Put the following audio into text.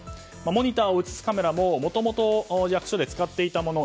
モニターを映すカメラももともと役所で使っていたもの